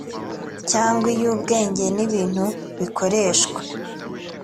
cyangwa iy ubwenge n ibintu bikoreshwa